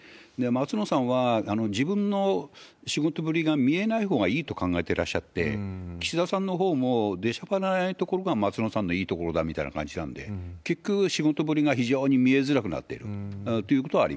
松野さんは自分の仕事ぶりが見えないほうがいいと考えてらっしゃって、岸田さんのほうも、出しゃばらないところが松野さんのいいところだみたいな感じなんで、結局、仕事ぶりが非常に見えづらくなっているということはあ